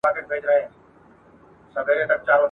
په لیدلو یو د بل نه مړېدلو ..